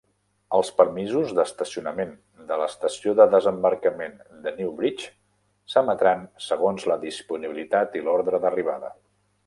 Els permisos d'estacionament de l'estació de desembarcament de New Bridge, s'emetran segons la disponibilitat i l'ordre d'arribada.